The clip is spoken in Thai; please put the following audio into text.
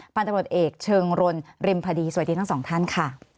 ปัญหาตรวจเอกเชิงรลริมพดีสวัสดีทั้งสองท่านค่ะ